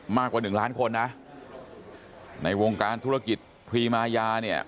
มากกว่าหนึ่งล้านคนนะในวงการธุรกิจพรีมายาเนี่ย